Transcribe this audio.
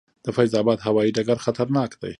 د فیض اباد هوايي ډګر خطرناک دی؟